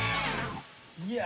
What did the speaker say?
いや。